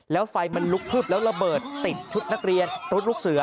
แล้วไฟมันลุกพึบแล้วระเบิดติดชุดนักเรียนตุ๊ดลูกเสือ